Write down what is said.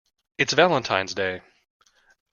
It's Valentine's Day!